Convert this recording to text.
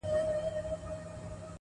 خدایه ته چیري یې او ستا مهرباني چیري ده،